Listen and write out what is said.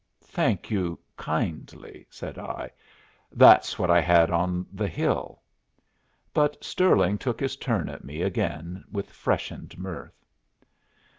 "Thank you kindly," said I. "That's what I had on the hill." But Stirling took his turn at me again with freshened mirth.